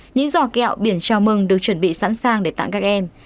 những giò kẹo biển chào mừng được chuẩn bị sẵn sàng để tặng các em